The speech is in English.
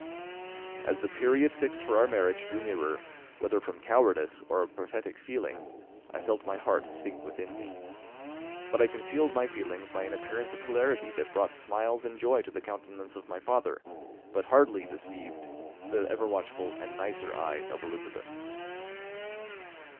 As the period fixed for our marriage drew nearer, whether from cowardice or a prophetic feeling, I felt my heart sink within me. But I concealed my feelings by an appearance of hilarity that brought smiles and joy to the countenance of my father, but hardly deceived the ever watchful and nicer eye of Elizabeth.